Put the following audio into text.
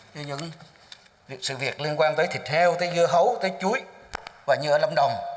như những sự việc liên quan tới thịt heo tới dưa hấu tới chuối và như ở lâm đồng